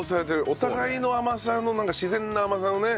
お互いの甘さのなんか自然な甘さのね。